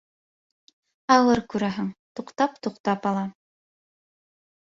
Ауыр, күрәһең, туҡтап-туҡтап ала.